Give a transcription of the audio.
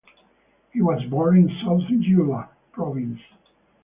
He was born in South Jeolla Province.